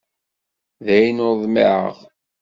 Dayen ur ḍmiεeɣ.